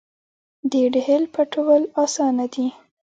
د ډهل پټول اسانه دي .